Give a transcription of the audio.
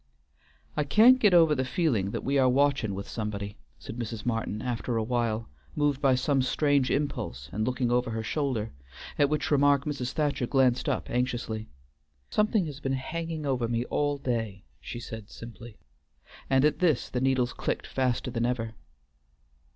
"I can't get over the feeling that we are watchin' with somebody," said Mrs. Martin after a while, moved by some strange impulse and looking over her shoulder, at which remark Mrs. Thacher glanced up anxiously. "Something has been hanging over me all day," said she simply, and at this the needles clicked faster than ever.